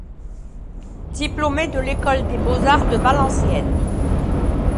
Diplômé de l’École des beaux-arts de Valenciennes.